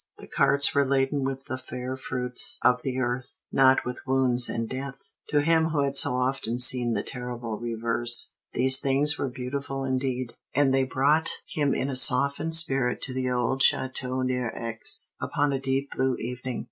The carts were laden with the fair fruits of the earth, not with wounds and death. To him who had so often seen the terrible reverse, these things were beautiful indeed; and they brought him in a softened spirit to the old château near Aix upon a deep blue evening.